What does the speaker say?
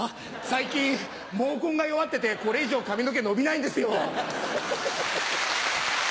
最近毛根が弱っててこれ以上髪の毛伸びないんですよ。